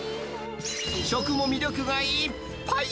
食も魅力がいっぱい。